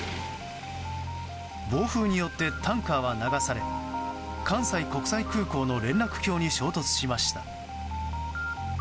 暴風によってタンカーは流され関西国際空港の連絡橋に衝突しました。